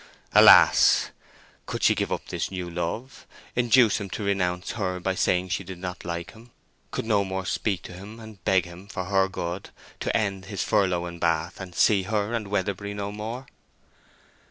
Alas! Could she give up this new love—induce him to renounce her by saying she did not like him—could no more speak to him, and beg him, for her good, to end his furlough in Bath, and see her and Weatherbury no more?